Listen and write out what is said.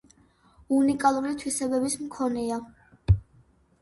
უნიკალური თვისებების მქონეა.